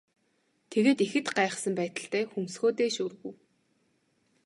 Тэгээд ихэд гайхсан байдалтай хөмсгөө дээш өргөв.